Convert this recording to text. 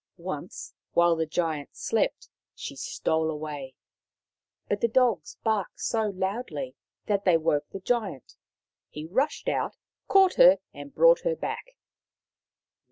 Once, while the Giant slept, she stole away ; but the dogs barked so loudly that they woke the Giant. He rushed out, caught her, and brought her back.